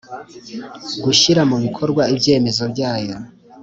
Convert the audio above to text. gushyira mu bikorwa ibyemezo byayo